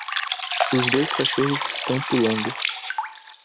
Os dois cachorros estão pulando.